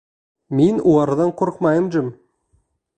Мин уларҙан ҡурҡмайым, Джим.